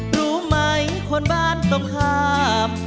รู้ไหมคนบ้านต้องห้าม